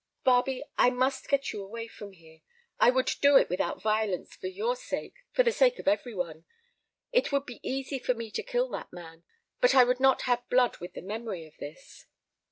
"Barbe, I must get you away from here. I would do it without violence for your sake—for the sake of every one. It would be easy for me to kill that man, but I would not have blood with the memory of this."